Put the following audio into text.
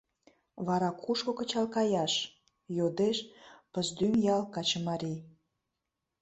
— Вара кушко кычал каяш? — йодеш Пыздӱҥ ял качымарий.